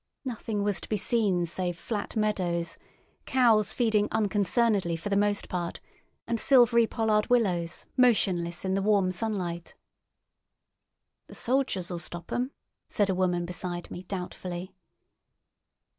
Nothing was to be seen save flat meadows, cows feeding unconcernedly for the most part, and silvery pollard willows motionless in the warm sunlight. "The sojers'll stop 'em," said a woman beside me, doubtfully.